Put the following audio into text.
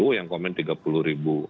yang komen tiga puluh ribu